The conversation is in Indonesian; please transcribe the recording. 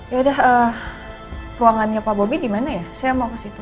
yaudah ruangannya pak bobby dimana ya saya mau ke situ